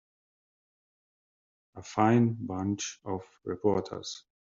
A fine bunch of reporters.